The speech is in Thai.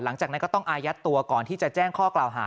หลังจากนั้นก็ต้องอายัดตัวก่อนที่จะแจ้งข้อกล่าวหา